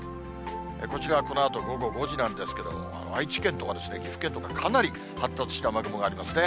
こちらはこのあと午後５時なんですけれども、愛知県とか岐阜県とか、かなり発達した雨雲がありますね。